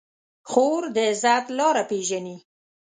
خور د عزت لاره پېژني.